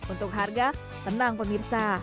untuk harga tenang pemirsa